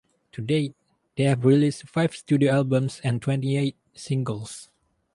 To date, they have released five studio albums and twenty-eight singles.